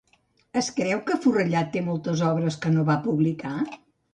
Es creu que Forrellad té moltes obres que no va publicar?